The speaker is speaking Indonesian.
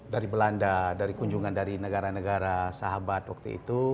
dari belanda dari kunjungan dari negara negara sahabat waktu itu